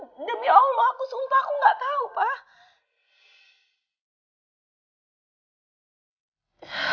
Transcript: demi allah aku sumpah aku nggak tahu pak